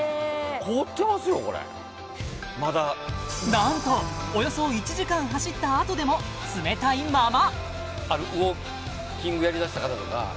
なんとおよそ１時間走ったあとでも冷たいまま！